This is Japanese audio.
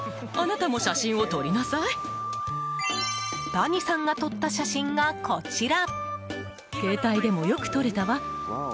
ダニさんが撮った写真がこちら。